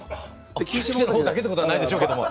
九州の方だけってことはないでしょうけども。